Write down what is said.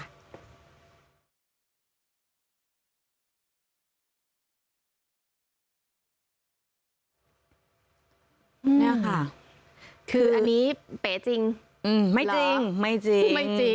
นี่ค่ะคืออันนี้เป๋จริงไม่จริงไม่จริงไม่จริง